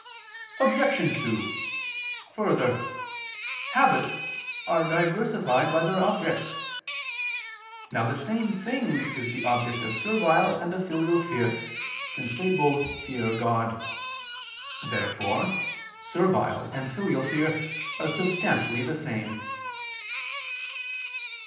Obj. 2: Further, habits are diversified by their objects. Now the same thing is the object of servile and of filial fear, since they both fear God. Therefore servile and filial fear are substantially the same.